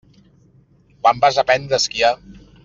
Quan vas aprendre a esquiar?